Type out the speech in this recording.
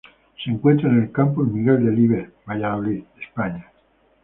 Se encuentra en el Campus Miguel Delibes, Valladolid, España.